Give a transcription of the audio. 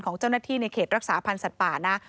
ของเจ้าหน้าที่ในเขตรักษาพันธ์สัตว์ป่านะ